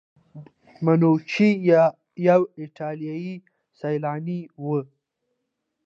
منوچي یو ایټالیایی سیلانی و.